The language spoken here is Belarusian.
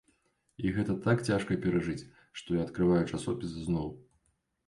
І гэта так цяжка перажыць, што я адкрываю часопіс зноў.